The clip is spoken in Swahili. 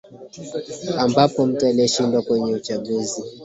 ambapo mtu aliyeshindwa kwenye uchaguzi